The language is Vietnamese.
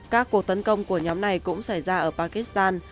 các cuộc tấn công của nhóm này cũng xảy ra ở pakistan